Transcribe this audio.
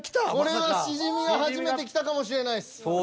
これはシジミが初めてきたかもしれないです。